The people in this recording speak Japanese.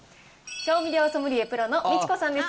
調味料ソムリエプロのミチコさんです。